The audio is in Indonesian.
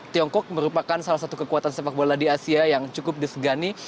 tiongkok merupakan salah satu kekuatan sepak bola di asia yang cukup disegani